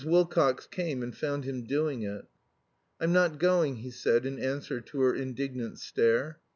Wilcox came and found him doing it. "I'm not going," he said in answer to her indignant stare.